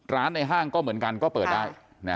ในห้างก็เหมือนกันก็เปิดได้